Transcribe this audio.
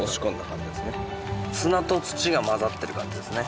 砂と土が混ざってる感じですね。